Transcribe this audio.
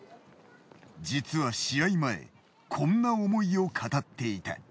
実は試合前こんな思いを語っていた。